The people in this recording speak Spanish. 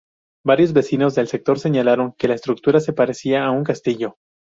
Varios vecinos del sector señalaron que la estructura se parecía a un castillo.